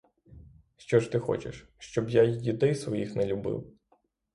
Що ж ти хочеш, щоб я й дітей своїх не любив?